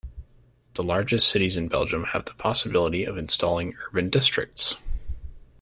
The largest cities in Belgium have the possibility of installing urban districts.